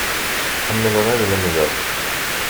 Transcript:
Ḥemmleɣ ad lemdeɣ.